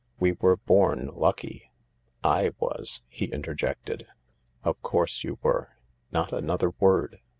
We were born lucky ""/ was," he interjected. " Of course you were. Not another word.